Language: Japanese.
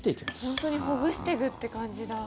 本当にほぐしてくって感じだ。